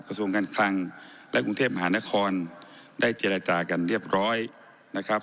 กระทรวงการคลังและกรุงเทพมหานครได้เจรจากันเรียบร้อยนะครับ